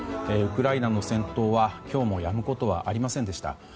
ウクライナの戦闘は、今日もやむことはありませんでした。